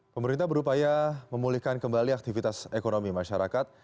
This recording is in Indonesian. pemerintah berupaya memulihkan kembali aktivitas ekonomi masyarakat